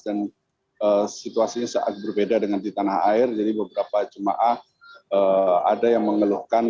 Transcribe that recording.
dan situasinya sangat berbeda dengan di tanah air jadi beberapa jemaah ada yang mengeluhkan